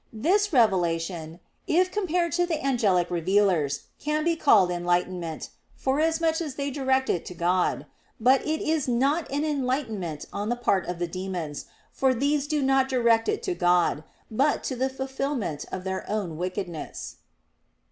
This revelation, if compared to the angelic revealers, can be called an enlightenment, forasmuch as they direct it to God; but it is not an enlightenment on the part of the demons, for these do not direct it to God; but to the fulfilment of their own wickedness.